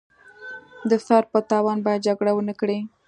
د سر په تاوان باید جګړه ونکړي.